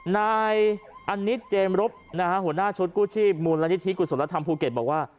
นายอันนี้เจมส์รบนะฮะหัวหน้าชุดกู้ชีพมูลนิธิกุศลธรรมภูเก็ตบอกว่า